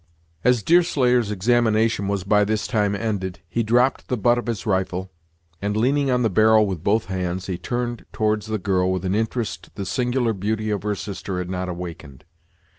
As Deerslayer's examination was by this time ended, he dropped the butt of his rifle, and, leaning on the barrel with both hands, he turned towards the girl with an interest the singular beauty of her sister had not awakened.